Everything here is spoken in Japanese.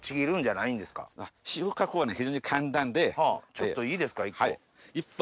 ちょっといいですか１個。